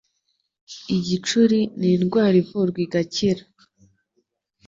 Igicuri ni indwara ivurwa igakira